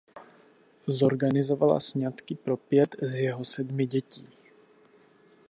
Zorganizovala sňatky pro pět z jeho sedmi dětí.